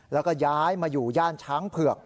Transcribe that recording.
แล้วก็ย้ายมาอยู่ย่านช้างเผือก